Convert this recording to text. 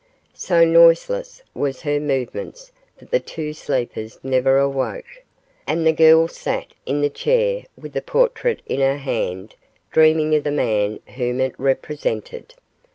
So noiseless were her movements that the two sleepers never awoke, and the girl sat in the chair with the portrait in her hand dreaming of the man whom it represented.